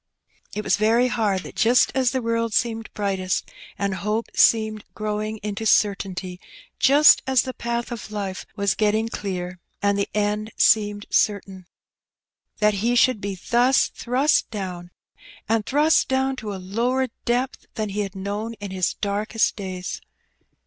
It was very hard that just as the world seemed brightest, and hope seemed growing into certainty — just as the path of life was getting clear, and the end seemed certain, that ] ff I'' r • soc\i* A Terrible Alternative. 169 he should be thus thrust down, and thrust down to a lower depth than he had known in his darkest days.